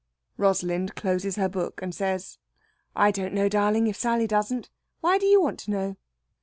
Rosalind closes her book and says: "I don't know, darling, if Sally doesn't. Why do you want to know?"